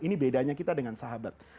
ini bedanya kita dengan sahabat